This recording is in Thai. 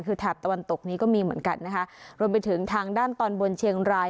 คือแถบตะวันตกนี้ก็มีเหมือนกันนะคะรวมไปถึงทางด้านตอนบนเชียงราย